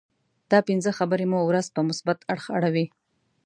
دا پنځه خبرې مو ورځ په مثبت اړخ اړوي.